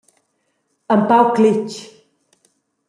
Empau cletg.